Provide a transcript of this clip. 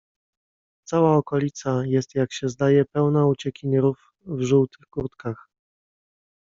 "Cała okolica, jest jak się zdaje, pełna uciekinierów w żółtych kurtkach."